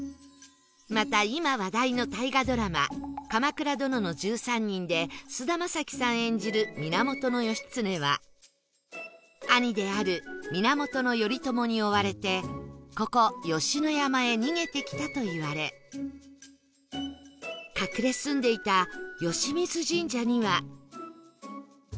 また今話題の大河ドラマ『鎌倉殿の１３人』で菅田将暉さん演じる源義経は兄である源頼朝に追われてここ吉野山へ逃げてきたといわれ隠れ住んでいた水神社には